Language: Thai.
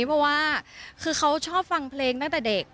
เพราะว่าคือเขาชอบฟังเพลงตั้งแต่เด็ก